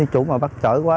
chủ mà bắt chở quá